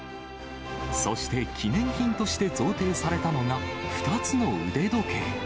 そして記念品として贈呈されたのが、２つの腕時計。